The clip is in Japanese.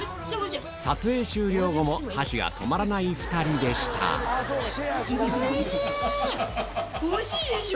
撮影終了後も箸が止まらない２人でしたおいしいでしょ？